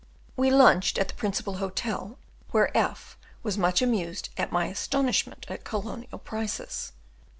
We lunched at the principal hotel, where F was much amused at my astonishment at colonial prices.